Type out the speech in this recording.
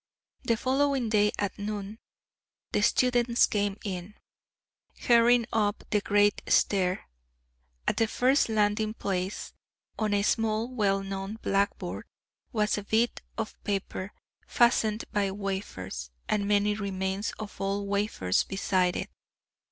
The following day at noon, the students came in, hurrying up the great stair. At the first landing place, on a small well known blackboard, was a bit of paper fastened by wafers and many remains of old wafers beside it.